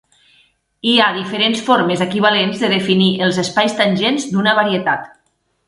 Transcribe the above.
Hi ha diferents formes equivalents de definir els espais tangents d'una varietat.